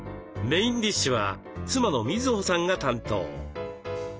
メインディッシュは妻の瑞穂さんが担当。